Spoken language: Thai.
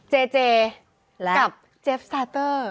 เจเจกับเจฟซาเตอร์